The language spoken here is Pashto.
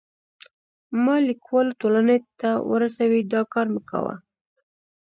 ما لیکوالو ټولنې ته ورسوی، دا کار مې کاوه.